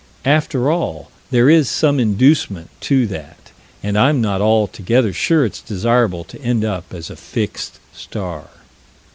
After all, there is some inducement to that and I'm not altogether sure it's desirable to end up as a fixed star.